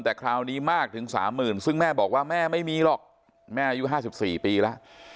แต่คราวนี้มากถึง๓๐๐๐ซึ่งแม่บอกว่าแม่ไม่มีหรอกแม่อายุ๕๔ปีแล้ว